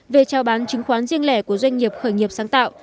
về trao bán chứng khoán riêng lẻ của doanh nghiệp khởi nghiệp sáng tạo